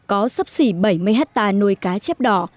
có sắp xỉ bảy mươi hectare nuôi cá chép đỏ